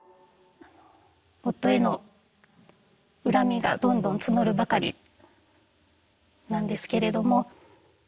夫への恨みがどんどん募るばかりなんですけれども。